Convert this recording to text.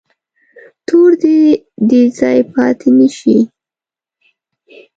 تور ته دې ځای پاتې نه شي.